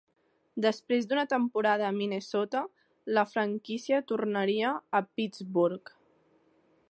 Després d'una temporada a Minnesota, la franquícia tornaria a Pittsburgh.